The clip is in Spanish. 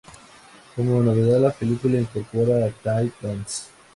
Como novedad, la película incorpora el Thai dance.